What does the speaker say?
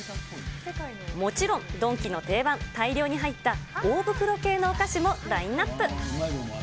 もちろん、ドンキの定番、大量に入った大袋系のお菓子もラインナップ。